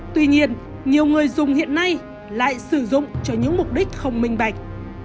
tuy nhiên nhiều người dùng hiện nay lại sử dụng cho những mục đích không minh bạch